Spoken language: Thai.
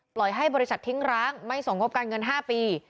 ให้บริษัททิ้งร้างไม่ส่งงบการเงิน๕ปี